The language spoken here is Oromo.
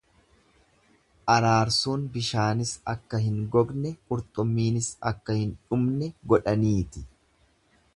Araarsuun bishaanis akka hin gogne qurxummiinis akka hin dhumne godhaniiti.